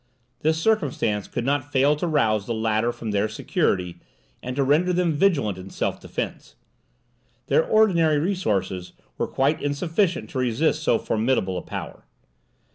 This circumstance could not fail to rouse the latter from their security, and to render them vigilant in self defence. Their ordinary resources were quite insufficient to resist so formidable a power.